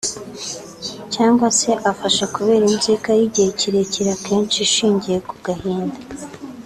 cyangwa se afashe kubera inzika y’igihe kirekire akenshi ishingiye ku gahinda